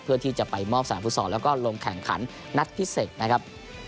เพื่อที่จะไปมอบสนามฟุตซอลแล้วก็ลงแข่งขันนัดพิเศษนะครับ